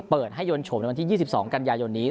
เปิดให้ยนต์โฉมในวันที่ยี่สิบสองกันยายนี้